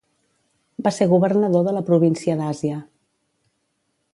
Va ser governador de la província d'Àsia.